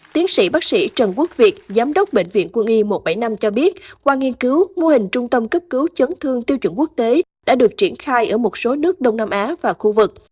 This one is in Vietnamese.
tiến sĩ bác sĩ trần quốc việt giám đốc bệnh viện quân y một trăm bảy mươi năm cho biết qua nghiên cứu mô hình trung tâm cấp cứu chấn thương tiêu chuẩn quốc tế đã được triển khai ở một số nước đông nam á và khu vực